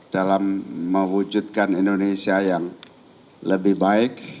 dalam mewujudkan indonesia yang lebih baik